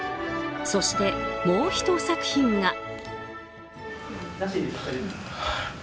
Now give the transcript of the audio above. そして、もうひと作品が。